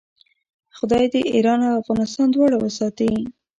خدای دې ایران او افغانستان دواړه وساتي.